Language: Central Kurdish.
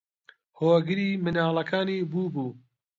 هۆگری منداڵەکانی بووبوو